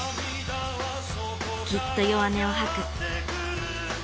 きっと弱音をはく。